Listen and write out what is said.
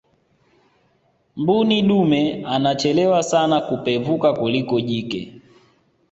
mbuni dume anachelewa sana kupevuka kuliko jike